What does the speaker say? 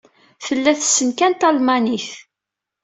Tella tessen kan talmanit.